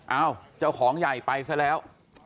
เอ้าเจ้าของใหญ่ไปซะแล้ว